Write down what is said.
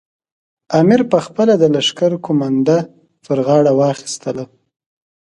امیر پخپله د لښکر قومانده پر غاړه واخیستله.